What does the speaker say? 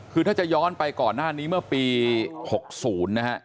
คือถ้าจะย้อนไปก่อนหน้านี้เมื่อปี๖๐นะฮะ